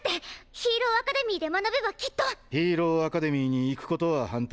ヒーローアカデミーに行くことは反対してない。